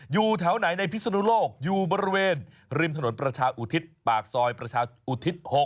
อยู่แถวไหนในพิศนุโลกอยู่บริเวณริมถนนประชาอุทิศปากซอยประชาอุทิศ๖